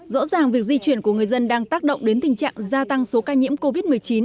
rõ ràng việc di chuyển của người dân đang tác động đến tình trạng gia tăng số ca nhiễm covid một mươi chín